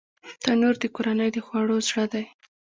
تنور د کورنۍ د خوړو زړه دی